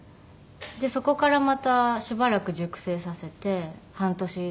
でそこからまたしばらく熟成させて半年とか１年とか。